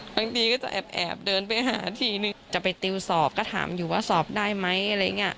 บางทีก็จะแอบเดินไปหาทีนึงจะไปติวสอบก็ถามอยู่ว่าสอบได้ไหมอะไรอย่างนี้